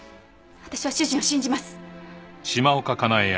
私は主人を信じます。